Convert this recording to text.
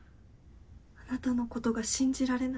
あなたのことが信じられない。